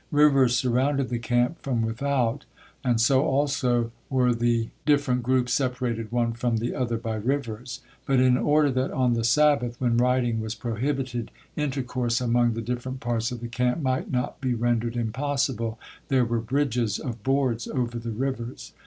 Rivers surrounded the camp from without, and so also were the different groups separated one from the other by rivers. But in order that on the Sabbath, when riding was prohibited, intercourse among the different parts of the camp might not be rendered impossible, there were bridges of boards over the rivers.